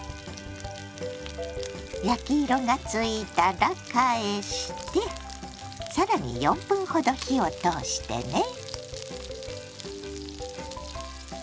焼き色がついたら返して更に４分ほど火を通してね。